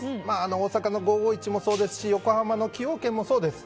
大阪の５５１もそうですし横浜の崎陽軒もそうです。